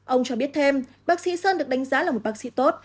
ông cho biết thêm bác sĩ sơn được đánh giá là một bác sĩ tốt